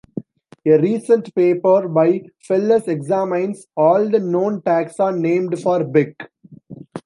A recent paper by Fellers examines all the known taxa named for Beck.